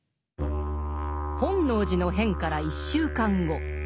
本能寺の変から１週間後。